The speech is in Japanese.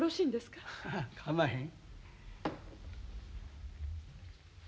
かまへん。